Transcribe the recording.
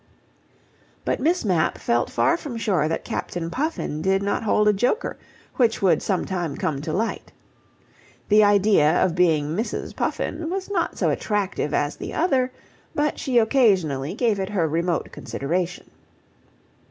But Miss Mapp felt far from sure that Captain Puffin did not hold a joker which would some time come to light. The idea of being Mrs. Puffin was not so attractive as the other, but she occasionally gave it her remote consideration.